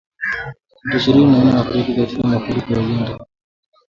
Watu ishirini na nne wafariki katika mafuriko Uganda